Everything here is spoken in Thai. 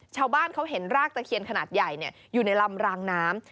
ชาวบ้านเขาเห็นรากตะเคียนขนาดใหญ่อยู่ในลำรางน้ำ